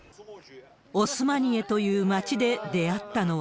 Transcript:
オスマニエという街で出会ったのは。